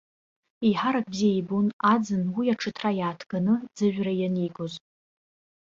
Еиҳарак бзиа ибон аӡын уи аҽыҭра иааҭганы ӡыжәра ианигоз.